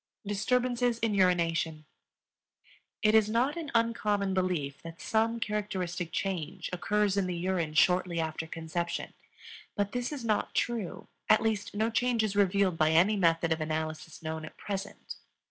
Disturbances in Urination. It is not an uncommon belief that some characteristic change occurs in the urine shortly after conception. But this is not true; at least no change is revealed by any method of analysis known at present.